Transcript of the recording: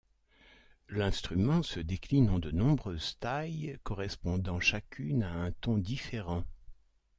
L'instrument se décline en de nombreuses tailles correspondant chacune à un ton différent.